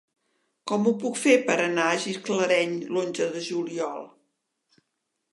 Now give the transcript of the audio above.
Com ho puc fer per anar a Gisclareny l'onze de juliol?